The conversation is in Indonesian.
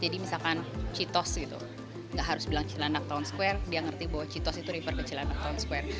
jadi misalkan cheetos gitu tidak harus bilang cilanak town square dia mengerti bahwa cheetos itu river ke cilanak town square